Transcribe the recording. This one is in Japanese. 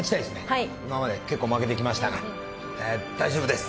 はい今まで結構負けてきましたが大丈夫です